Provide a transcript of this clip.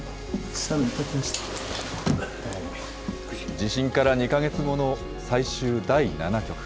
地震から２か月後の最終第７局。